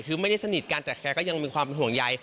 คือไม่ได้สนิทกันแต่แกก็ยังมีความห่วงใย